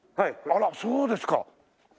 あらそうですか。